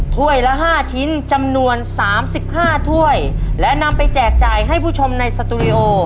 ถ้วยละห้าชิ้นจำนวนสามสิบห้าถ้วยและนำไปแจกจ่ายให้ผู้ชมในสตูดิโอ